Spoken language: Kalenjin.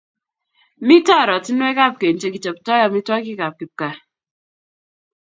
mito ortinwekab keny che kichoptoi amitwokikab kipkaa